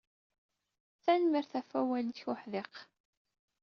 Tanemmirt ɣef wawal-nnek uḥdiq.